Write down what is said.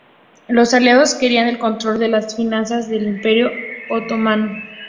Los aliados querían el control de las finanzas del Imperio otomano.